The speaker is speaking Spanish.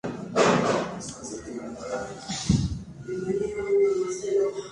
Según Joan Matamala, en su libro "Gaudí.